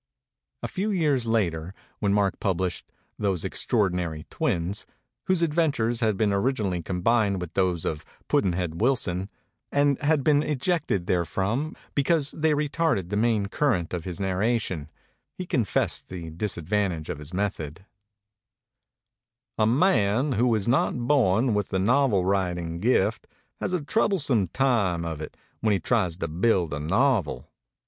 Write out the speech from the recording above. A few years later, when Mark published ' Those Extraordinary Twins/ whose adventures had been originally combined with those of Pudd'nhead Wilson, and had been ejected there from because they retarded the main current of his narration, he confessed the disadvantage of his method: A man who is not born with the novel writing gift has a troublesome time of it when he tries to build a novel.